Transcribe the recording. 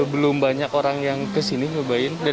belum banyak orang yang kesini nyobain